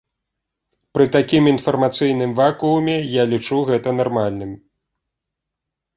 Пры такім інфармацыйным вакууме, я лічу гэта нармальным.